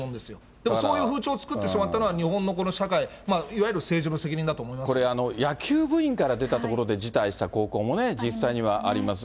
でもそういう風潮を作ってしまったのは日本のこの社会、いわゆるこれ、野球部員から出たところで辞退した高校もね、実際にはあります。